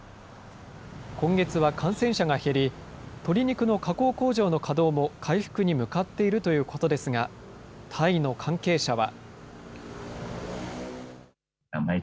今月は感染者が減り、鶏肉の加工工場の稼働も回復に向かっているということですが、タイの関係者は。